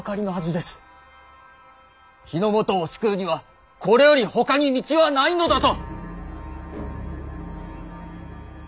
日の本を救うにはこれよりほかに道はないのだと！